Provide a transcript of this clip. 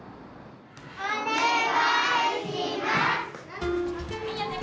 お願いします。